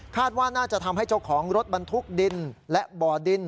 ว่าน่าจะทำให้เจ้าของรถบรรทุกดินและบ่อดิน